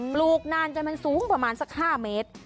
ลูกนานจนมันสูงประมาณสัก๕เมตร